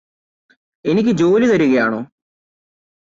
എനിക്ക് ജോലി തരുകയാണോ